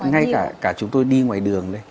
ngay cả chúng tôi đi ngoài đường